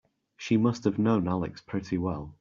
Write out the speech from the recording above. She must have known Alex pretty well.